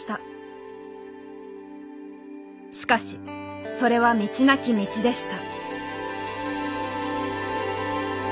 しかしそれは道なき道でした。